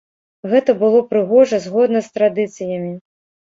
Гэта было прыгожа, згодна з традыцыямі.